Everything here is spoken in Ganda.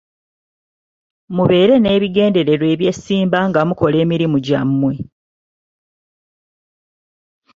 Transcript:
Mubeere n'ebigendererwa eby'essimba nga mukola emirimu gyammwe.